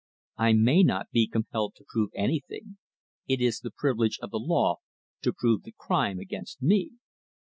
"I may not be compelled to prove anything. It is the privilege of the law to prove the crime against me."